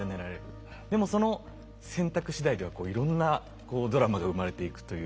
でもその選択しだいではこういろんなドラマが生まれていくという。